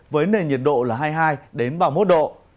với nền nhiệt độ là hai mươi hai ba mươi một độ